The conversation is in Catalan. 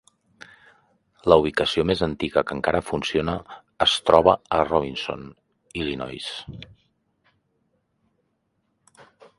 La ubicació més antiga que encara funciona es troba a Robinson, Illinois.